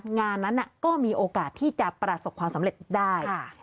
งานนั้นก็มีโอกาสที่จะประสบความสำเร็จได้